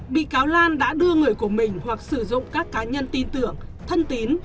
bị cáo lan đã đưa người của mình hoặc sử dụng các cá nhân tin tưởng thân tín